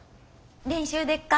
練習でっか？